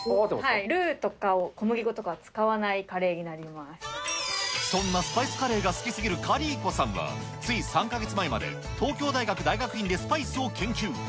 ルーとか、小麦粉とか使わなそんなスパイスカレーが好きすぎるカリー子さんは、つい３か月前まで、東京大学大学院でスパイスを研究。